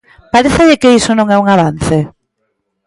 ¿Parécelle que iso non é un avance?